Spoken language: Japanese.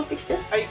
はい。